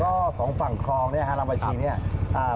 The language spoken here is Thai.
ก็สองฝั่งคลองฮาราบาชีนี่